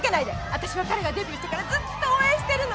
あたしは彼がデビューしてからずっと応援してるの。